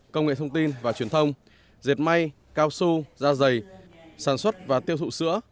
công nghệ thông tin và truyền thông dệt may cao su da dày sản xuất và tiêu thụ sữa